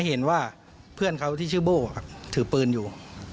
เห็นว่าเพื่อนเขาที่ชื่อโบ้ถือปืนอยู่